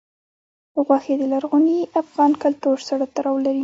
غوښې د لرغوني افغان کلتور سره تړاو لري.